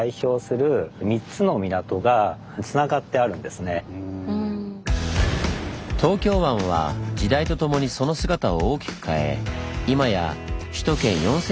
ですので東京湾は時代とともにその姿を大きく変え今や首都圏４，４００万